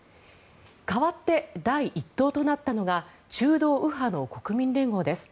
代わって第１党となったのが中道右派の国民連合です。